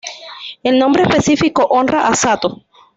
El nombre específico honra a Sato.